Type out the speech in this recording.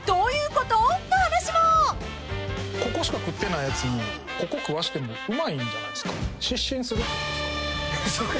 ここしか食ってないやつにここ食わしてもうまいんじゃないっすか？